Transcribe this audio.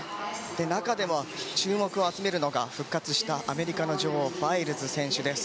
中でも、注目を集めるのが復活したアメリカの女王バイルズ選手です。